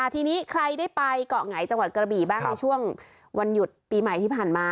ทีนี้ใครได้ไปเกาะไงจังหวัดกระบี่บ้างในช่วงวันหยุดปีใหม่ที่ผ่านมา